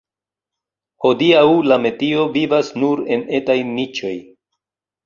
Hodiaŭ la metio vivas nur en etaj niĉoj.